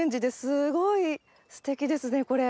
すごいステキですねこれ。